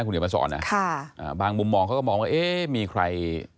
คุณเหนียวมาสอนน่ะค่ะอ่าบางมุมมองเขาก็มองว่าเอ๊ะมีใคร